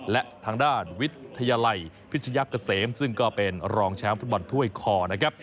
และทางด้านวิทยาลัยพิชยะเกษมซึ่งก็เป็นรองแชมป์ฟุตบอลถ้วยคอนะครับ